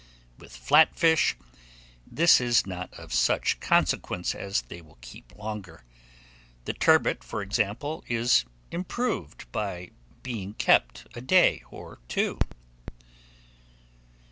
With flat fish, this is not of such consequence, as they will keep longer. The turbot, for example, is improved by being kept a day or two.